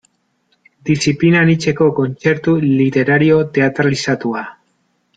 Diziplina anitzeko kontzertu literario teatralizatua.